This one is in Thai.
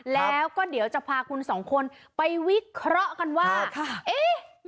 แล้วก็เดี๋ยวจะพาคุณสองคนไปวิเคราะห์กันว่าเอ๊ะ